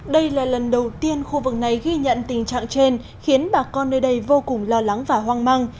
đây là lần đầu tiên khu vực này ghi nhận tình trạng trên khiến bà con nơi đây vô cùng lo lắng và hoang mang